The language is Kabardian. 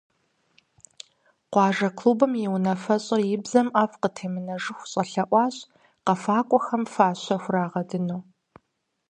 Къуажэ клубым и унафэщӀыр и бзэгум ӀэфӀ къытемынэжыху щӀэлъэӀуащ къэфакӀуэхэм фащэ хурагъэдыну.